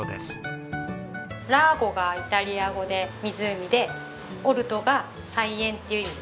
「Ｌａｇｏ」がイタリア語で「湖」で「ｏｒｔｏ」が「菜園」っていう意味です。